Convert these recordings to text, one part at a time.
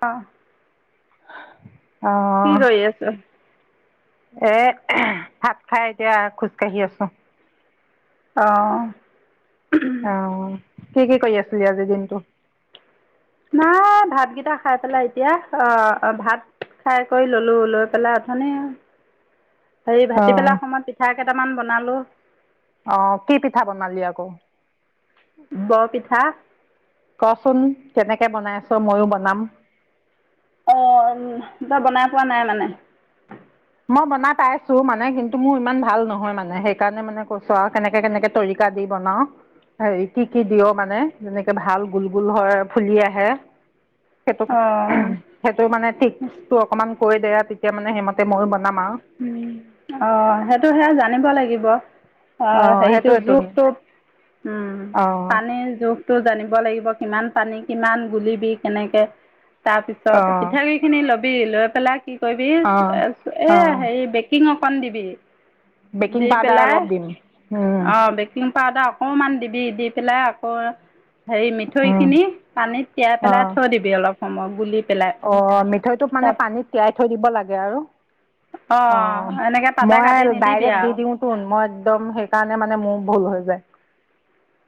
অ' কি অঁ কৰি আছোঁ? এ [unintelligible] ভাত খাই এতিয়া খোজ কাঢ়ি আছোঁ। অঁ। অ' কি কি কৰি আছিলি আজি দিনটো? নাই ভাতকেইটা খাই পেলাই এতিয়া অ' ভাত খাই কৰি ললোঁ, লৈ পেলাই অথনি [unintelligible] হেৰি ভাটি অঁ পেলা সময়ত পিঠা কেইটামান বনালোঁ। অ' কি পিঠা বনালি আকৌ? বৰ পিঠা। কচোন কেনেকে বনাইছ, ময়ো বনাম। অ' তই বনাই পোৱা নাই মানে? মই বনাই পাইছোঁ মানে, কিন্তু মোৰ ইমান ভাল নহয় মানে সেইকাৰণে মানে কৈছোঁ আৰু কেনেকে কেনেকে তৰিকা দি বনাও? হেৰি কি কি দিয় মানে, যেনেকে ভাল গোল গোল হয় ফুলি আহে। সেইটো অ [unintelligible] সেইটোৰ মানে টিপটো অকমান কৈ দে তেতিয়া মানে হিম তে ময়ো বনাম আ। উ, অ' সেইটো সেই জানিব লাগিব। অ' অঁ হেৰিটো সেইটোৱেতো জোখটো উম' অঁ পানীৰ জোখ টো জানিব লাগিব কিমান পানী কিমান গুলিবি কেনেকে তাৰপিছত অঁ পিঠাগুড়ি খিনি লবি লৈ পেলাই কি কৰিবি অ', এ অ', হেৰি বেকিং অকণ দিবি। বেকিং দি পাউদাৰ পেলাই, অলপ দিম উম, অ' বেক কিং পাউদাৰ অকণমান দিবি। দি পেলাই আকৌ এ হেৰি উম, মিঠৈইখিনি পানীত তিয়াই পেলাই অ', থৈ দিবি অলপ সময়, গুলি পেলাই। অ', মিঠৈইটোক মানে তাৰ পানীত তিয়াই থৈ দিব লাগে আৰু। অঁ অহ, এনেকৈ তাতে মই কাটি আৰু নিদিবি ডাইৰেক্ট দি আৰু দিও চোন, মই একদম সেইকাৰণে মানে মোৰ ভুল হৈ যায়।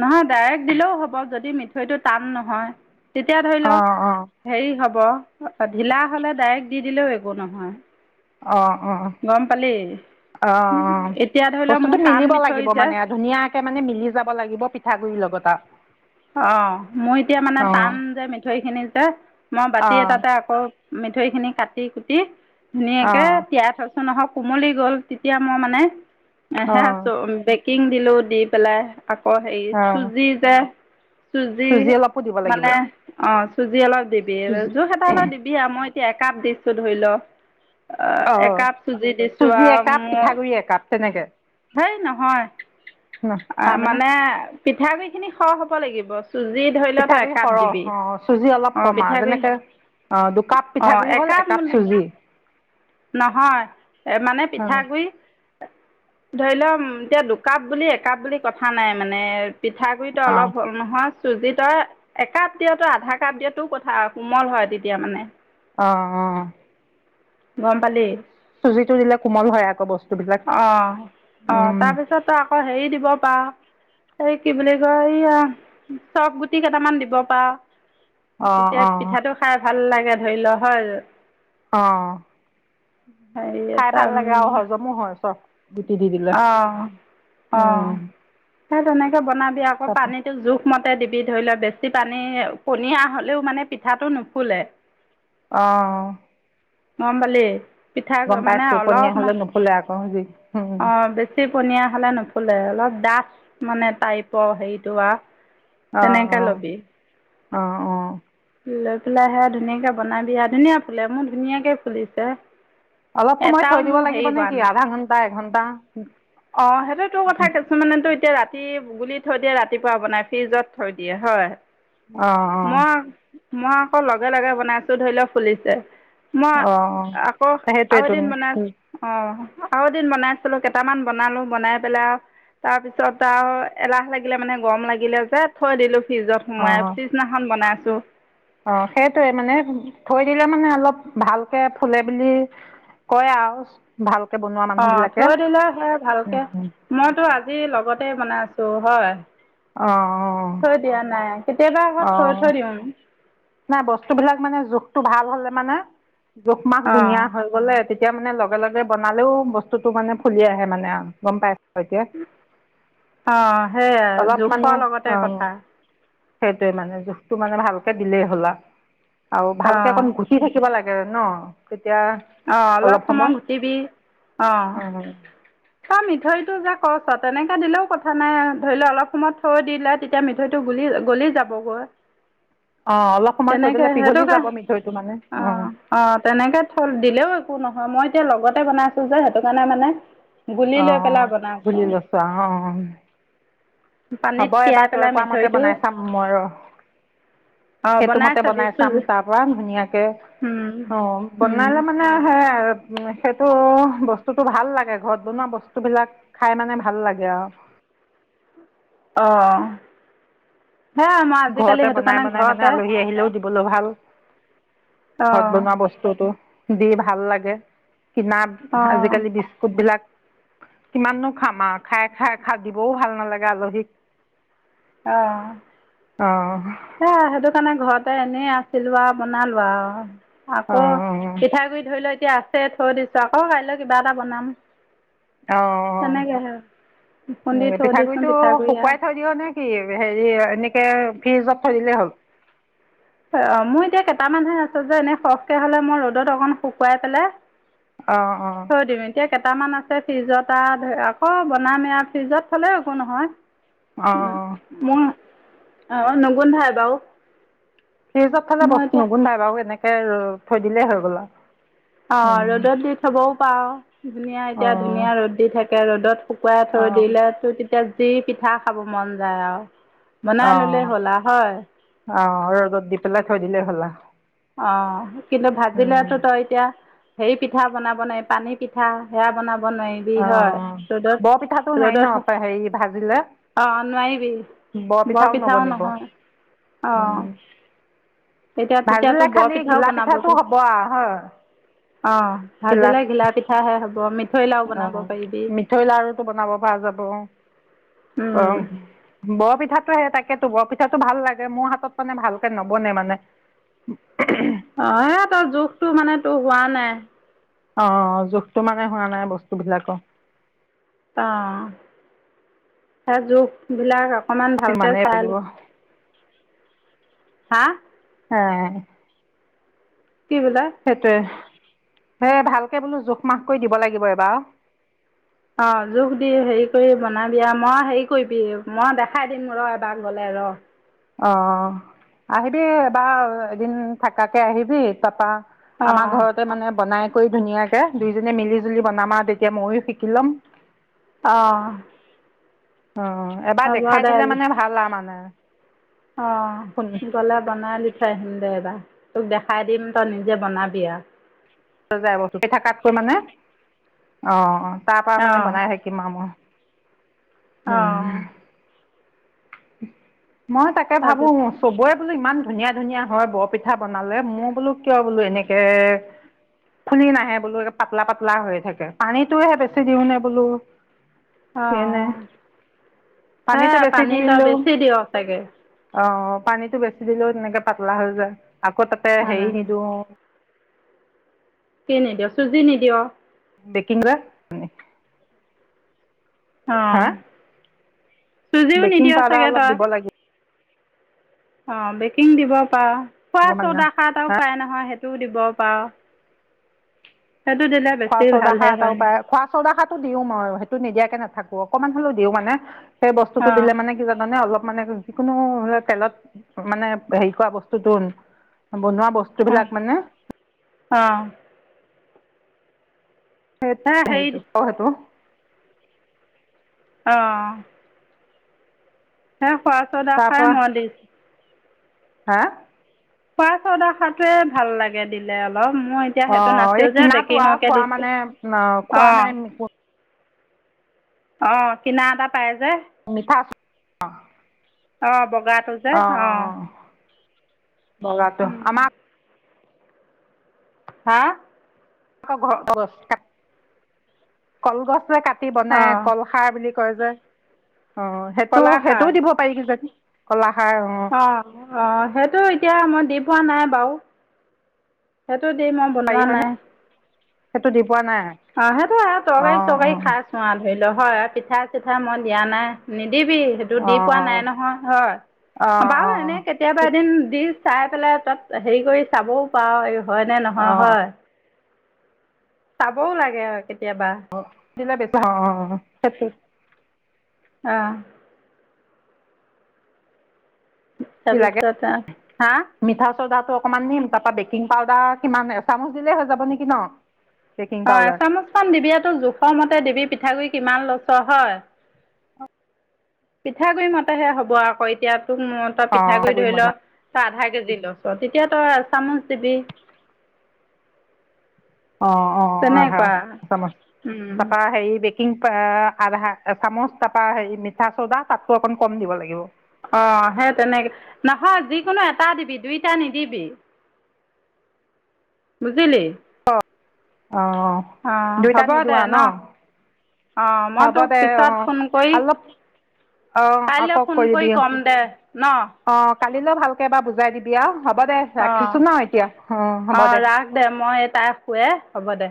নহয়, ডাইৰেক্ট দিলেও হ'ব। যদি মিঠৈইটো টান নহয়, তেতিয়া ধৰি ল অ', অ', হেৰি হ'ব, ঢিলা হলে ডাইৰেক্ট দি দিলেও একো নহয়। অ', অ'। গম পালি? অ', অ', এতিয়া ধৰি লওক বস্তুটো মোৰ টান মিলিব মিঠৈ লাগিব মানে যে ধুনীয়া কে মানে মিলি যাব লাগিব পিঠাগুৰি লগত আৰু। অ', ম‌ই এতিয়া মানে অ', টান যে মিঠৈইখিনি যে, মই বাতি অ', এটাতে আকৌ মিঠৈইখিনি কাটি কুটি ধুনীয়াকে অ', তিয়াই থৈছ নহয় কুমলী গ'ল। তেতিয়া মই মানে সেয়া অ', চোন বেক কিং দিলো, দি পেলাই আকৌ সেই অ', চুজি যে চুজিৰ চুজি অলপো দিব লাগিব মানে অ', চুজি অলপ দিবি। চুজি জোখ এটা অলপ দিবি আৰু মই এতিয়া একাপ দিছোঁ ধৰি ল। অ', অ', একাপ চুজি দিছোঁ চুজি আৰু একাপ মোৰ, পিঠাগুৰি একাপ তেনেকে সেই নহয়। অ', তাৰমানে মানে পিঠাগুড়িখিনি সৰহ হ'ব লাগিব। চুজি ধৰি ল তই পিঠাগুৰি একাপ দিবি সৰহ অ', চুজি অলপ অঁ কম আৰু পিঠাগুড়ি যেনেকে অ', দুকাপ পিঠাগুড়ি হ'ল, একাপ চুজি। নহয়, এ মানে অ পিঠাগুড়ি ধৰি ল উম, এতিয়া দুকাপ বুলি একাপ বুলি কথা নাই মানে পিঠাগুৰিত ত অ অলপ হম নহয় চুজি ত‌ই, একাপ দিয়' ত‌‌ই আধা কাপ দিয়' তোৰ কথা আ। কোমল হয় তেতিয়া মানে। অ', অ' গম পালি? চুজিটো দিলে কোমল হয় আক বস্তু অ', অ', তাৰপিছত ত‌ই আকৌ হেৰি দিব পাৰ'। কি বুলি কয় এইয়া চফ গুটি কেইটামান দিব পাৰ'। অ তেতিয়া অ পিঠাটো খাই ভাল লাগে, ধৰি ল' হ'ল। অ'। হয়। খাই ভাল লাগে আৰু হজমো হয় চফ অ', অ', উম সেই তেনেকৈ বনাবি আক তাপা পানীটো জোখ ঠিক মতে দিবি। ধৰি ল' বেছি পানী, পনীয়া হ'লেও মানে পিঠাটো নুফুলে। অ'। গম পালি? পিঠা মানে পাইছোঁ। পনীয়া হ'লে নুফুলে আক' অ', বেছি পনীয়া হ'লে নুফুলে। অলপ ডাঠ মানে টাইপৰ হেৰিটো আৰ অ তেনেকে ল'বি অ অ অ লৈ পেলাই সেয়া ধুনীয়াকে বনাবি আ। ধুনীয়া ফুলে, মোৰ ধুনীয়াকে ফুলিছে। অলপ সময় এটাও থৈ দিব মোৰ লাগিব হেৰি হোৱা নেকি? আধা ঘন্টা-এঘণ্টা। অ', সেইটো তোৰ কথা কিছুমানেতো এতিয়া ৰাত ৰাতি গুলি থৈ দিয়ে, ৰাতিপুৱা বনায়। ফ্ৰীজত থৈ দিয়ে হয় অঁ মই আক লগে-লগে বনাইছো ধৰি ল' ফুলিছে। মই অঁ অঁ আক' আৰু সেইটোৱেতো এদিন বনাই, অ' আৰু এদিন বনাইছিলো কেইটামান বনালো, বনাই পেলাই আ তাৰপিছত আউ এলাহ লাগিলে মানে, গৰম লাগিলে যে থৈ দিলো ফ্ৰিজত। সুমুয়াই অঁ পিছদিনাখন বনাইছো। সেইটোৱে মানে থৈ দিলে মানে অলপ ভালকে ফুলে বুলি কয় আ ভালকে বনোৱা অঁ থৈ মানুহবিলাকে। দিলে সেয়া ভালকৈ উম উ। মইতো আজি লগতে বনাইছোঁ হয়। অ' থৈ দিয়া নাই। কেতিয়াবা আক' থৈ অঁ থৈ দিওঁ। বস্তুবিলাক মানে জোখটো ভাল হ'লে মানে জোখ মাখ অঁ ধুনীয়া হয়। তেতিয়া মানে লগে লগে বনালেও বস্তুটো মানে ফুলি আহে মানে আ। গম পাই অঁ সেয়াই অলপ মানে জোখৰ লগতে অ'। কথা সেইটোৱে মানে জোখটো মানে ভালকে দিলেই হ'ল আ আৰু ভালকে অঁ অকণ ঘুটি থাকিব লাগে জান' তেতিয়া অ' অলপ সময় ঘুটিবি অ'। উম তই মিঠৈটো যে কৰচ তেনেকে দিলেও কথা নাই। ধৰি ল অলপ সময় থৈ দিলে তেতিয়া মিঠৈটো গুলি গলি যাব গৈ। অ' অলপ সময় থৈ দিলে সেইটো পিঘলি কাৰ যাব মিঠৈটো মানে অ'। অ' তেনেকে থৈ দিলেওঁ একো নহয়। মই এতিয়া লগতে বনাইছো যে সেইটো কাৰণে মানে গুলি অ লৈ পেলাই বনাইছোং। বুলি অ' পানীত আকৌ এবাৰ তিয়াই তই পেলাই কোৱা মতে মিঠৈটো বনাই চাম মই ৰ'। অ', সেইটো মতে চাবি বনাই চাম। চুজি তাৰপৰা ধুনীয়াকে উম, অ' উম, বনালে মানে মানে সেয়াই আৰু সেইটো বস্তুটো ভাল লাগে ঘৰত বনোৱা বস্তু বিলাক খাই মানে ভাল লাগে আৰু অ সেয়াই মই আজিকালি ঘৰতে সেইটো বনাই কাৰণে বনাই মানে ঘৰতে আলহী আহিলেও দিবলো ভাল ঘৰত অ', বনোৱা বস্তু বস্তু টো দি ভাল লাগে কিনাত অ', আজি-কালি বিস্কুট বিলাক কিমাননো খাম আৰু খাই খাই খাই দিবও ভাল নালাগে আলহীক অ অ সে সেইটো কাৰণে ঘৰতে এনেই আছিলো আৰু বনালো আৰু আকৌ অঁ পিঠাগুৰিত ধৰি লও এতিয়া আছে থৈ দিছো আকৌ কাইলৈ কিবা এটা বনাম অ তেনেকেহে খুন্দি থৈ দিছোঁ পিঠাগুৰিটো পিঠাগুড়ি আৰু শুকুৱাই থৈ দিয় নে কি হেৰি এনেকে ফ্ৰিজত থৈ দিলেই হ'ল হে অ মোৰ এতিয়া কেইটামানহে আছে যে এনেই সৰহকে হ'লে মই ৰ'দত অকণ শুকুৱাই পেলাই অ অ থৈ দিওঁ এতিয়া কেইটামান আছে ফ্ৰিজত আ ধৰি আকৌ বনাম এয়া ফ্ৰিজত থলে একো নহয় অ মোৱা অ নুগুন্ধাই বাৰু ফ্ৰিজত থলে মই বস্তু এতিয়া নুগুন্ধাই বাৰু এনেকে থৈ দিলেই হৈ গ'ল আৰু অ অঁ ৰ'দত দি থ'বও পাৱ ধুনীয়া এতিয়া ধুনীয়া ৰ'দ দি থাকে ৰ'দত শুকুৱাই থৈ অঁ দিলেটো এতিয়া যি পিঠা খাব মন যায় আৰু বনাই ললে হ'ল আ হয় অ ৰ'দত দি পেলাই থৈ দিলে হ'ল আ অ কিন্তু ভাজিলেতো তই এতিয়া হেৰি পিঠা বনাব নোৱাৰি পানী পিঠা হেয়া বনাব নোৱাৰি অ অ বৰপিঠাটো নোৱাৰি ন হেৰি ভাজিলে অ নোৱাৰিবি বৰপিঠাও নহয় অ উম এতিয়া তেতিয়াতো ভাজিলে খালি বৰপিঠাও ঘিলা পিঠাটো বনাবগৈ। হ'ব আৰু হয় অ, ভাজিলে ঘিলা পিঠাহে হ'ব মি অ, মিঠৈ লাৰুটো বনাব পৰা যাব অ উম। বৰপিঠাতো সে তাকেতো বৰপিঠাটো ভাল লাগে। মোৰ হাতত মানে ভালকে নবনে মানে। [unintelligible] অ সে তোৰ জোখটো মানে তোৰ হোৱা নাই। অ, জোখটো মানে হোৱা নাই বস্তু বিলাকৰ অ সেই জোখবিলাক অকণমান ভালকে সিমানেই চাই ল লাগিব হা! হে কি কলা সেইটোৱে সে ভালকে বোলো জোখ-মাখ কৰি দিব লাগিব এইবাও অ জোখ দি হেৰি কৰি বনা বি আ মই হেৰি কৰিবি মই দেখাই দিম ৰ এবাৰ গ'লে ৰ অ, আহিবি এবাৰ এদিন থাকাকে আহিব তাপা অ আমাৰ ঘৰতে মানে বনাই কৰি ধুনীয়াকে, দুইজনীয়ে মিলিজুলি বনাম আৰু। তেতিয়া মইয়ো শিকি লম। অ অ, এবাৰ হ'ব দেখাই দে দিলে মানে ভাল আ মানে। অ, ফোন গ'লে বনাই লি চাই আহিমদে এবাৰ। তোক দেখাই দিম তই নিজে বনাবি আৰু। খি থকাতকৈ মানে, অ, তাৰ পৰা অ মানে বনাই থাক কিমানৰ, অ উম। মই তাকে ভাবোঁ তাৰপিছত চবৰে বোলো ইমান ধুনীয়া ধুনীয়া হয় বৰপিঠা বনালে, মোৰ বোলো কিয় বোলো এনেকে ফুলি নাহে বোলো এ পাতলা পাতলা হৈ থাকে। পানীটোহে বেছি দিওঁ নে বোলো অ নে, সে পানীটো বেছি পানী তই দিলো বেছি দিয় চাগে অ', অ', পানীটো বেছি দিলেও তেনেকে পাতলা হৈ যায়, আকৌ তাতে উম হেৰি দিলওঁ কি নিদিয়, চুজি নিদিয়? বেকিং ছ'ডা অঁ, হা চুজিও বেকিং নিদিয়া পাউদাৰ চাগে অলপ তই? দিব লাগিব অ, বেকিং দিব পাৰ। খোৱা মানে হা ছ'ডা খাৰ এটাও পায় নহয়, সেইটোও দিব পাৰ। সেইটো দিলে খোৱা বেছি ছ'ডা ভালহে খাৰ এটাও হয়নি পায়। খোৱা ছ'ডা খাৰটো দিওঁ মই, সেইটো নিদিয়াকে নাথাকো অকণমান হ'লেওঁ দিওঁ মানে। সেই বস্তুটো অঁ দিলে মানে কি জানানে, অলপ মানে যিকোনো তেলত মানে হেৰি কৰা বস্তুটো বনোৱা বস্তু স্তু বিলাক মানে অ'। সেই হেৰিটো অ' সেইটো অ' সে‌ইয়া খোৱা ছ'ডা খাৰ তাৰপৰা মই দিওঁ। হা'? খোৱা ছ'ডা সাৰটোৱে ভাল লাগে দিলে অলপ। মই তেতিয়া সেইটো অঁ এই নাছিল যে কিনাটো আৰু বেকিঙকে খোৱা দিছোঁ, মানে অ অ। খোৱা মানে অ', কিনা এটা পায় যে। মিঠা চ অ' বগাটো যে অ'। বগাটো, আমাক হা'? আকৌ ঘৰ কগছ কলগছ যে কাটি বনাই অঁ কল? সাৰ বুলি কয় যে, অ' সেইটো কলাখাৰ সেইটোও দিব পাৰি কি যানি কলা সাৰ অ'। অঁ, অঁ সেইটো এতিয়া মই দি পোৱা নাই বাৰু। সেইটো দি মই পাৰি বনোৱা হয়নে নাই। সেইটো দি পোৱা নাই। অ' সেইটো আৰু অ তৰকাৰী অ তৰকাৰী খাই। নোৱাৰ ধৰি ল, হয়, পিঠা চিঠাত দিয়া নাই নিদিবি। সেইটো অ দি পোৱা নাই নহয় হয়, অ অ বাৰু এনেই কেতি কেতিয়াবা এদিন দি চাই পেলাই তাত হেৰি কৰি চাবওঁ পাৰ এই হয়নে অ নহয় হয়। চাবওঁ লাগে আৰু কেতিয়াবা। িল [unintelligible] বেছ অ স অ'। কি লাগে তাৰপিছত আৰু, হা'? মিঠা ছ'ডাটো অকণমান দিম, তাৰপা বেকিং পাউদাৰ কিমান এচামুচ দিলেই হৈ যাব নেকি ন? বেকিং অঁ পাউদাৰ এচামুচমান দিবিতো জোখৰ মতে দিবি পিঠাগুড়ি কিমান লৈচ হয়। পিঠাগুডৰি মতেহে হ'ব আকৌ এতিয়া, তোক ম ত পিঠাগুড়ি ধৰি ল অ তই আধা কেজি লৈছ তেতিয়া তই এচামুচ দিবি। অ', অ', আধা তেনেকুৱা চামুচ, উম তপা হেৰি বেক কিং পা-আধা চামুচ তাৰপৰা হেৰি মিঠা চৌডা তাতকৈ অকণ কম দিব লাগিব? অ', সেই তেনেকে, নহয় যিকোনো এটা দিবি দুইটা নিদিবি। বুজিলি? অঁ অ', দুইটা হ'ব নিদিওঁ দে আৰু ন? অ', মই হ'ব তোক দে পিছত অঁ ফোন কৰি অলপ অঁ কাইলৈ ফোন কৰি কম দে ন? অ', কালিলৈ ভালকৈ এবাৰ বুজাই দিবি আৰু, হ'ব দে, অ ৰাখিছোঁ ন এতিয়া। অ', হ'ব দে। দে মই এই তাই শুৱে, হ'ব দে।